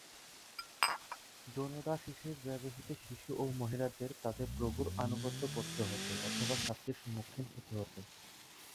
যৌন দাস হিসেবে ব্যবহৃত শিশু ও মহিলাদের তাদের প্রভুর আনুগত্য করতে হত অথবা শাস্তির মুখোমুখি হতে হত।